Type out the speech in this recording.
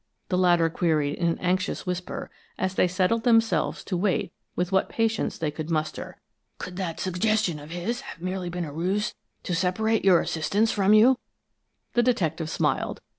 the latter queried in an anxious whisper, as they settled themselves to wait with what patience they could muster. "Could that suggestion of his have been merely a ruse to separate your assistants from you?" The detective smiled.